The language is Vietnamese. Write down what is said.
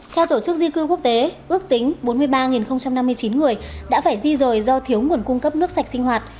theo tổ chức di cư quốc tế ước tính bốn mươi ba năm mươi chín người đã phải di rời do thiếu nguồn cung cấp nước sạch sinh hoạt